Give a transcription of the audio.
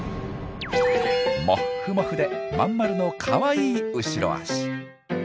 もっふもふで真ん丸のかわいい後ろ足。